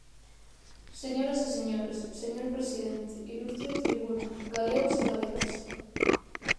Señoras e señores, señor presidente, ilustre tribuna, galegos e galegas.